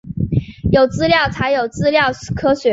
有资料才有资料科学